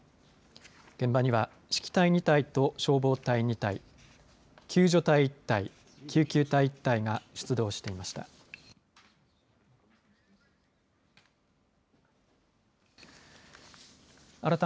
現場には指揮隊２隊と消防隊員２隊救助隊員１隊救急隊１隊が出動していました。